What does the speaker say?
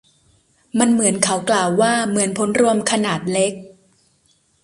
มันเหมือนเขากล่าวว่า เหมือนผลรวมขนาดเล็ก